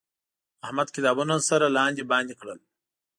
احمد کتابونه سره لاندې باندې کړل.